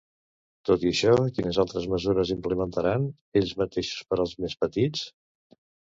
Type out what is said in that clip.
Tot i això, quines altres mesures implementaran ells mateixos per als més petits?